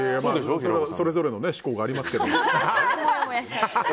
それぞれの嗜好がありますけども。